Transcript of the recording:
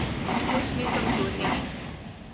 اس میں کمزوریاں ہیں۔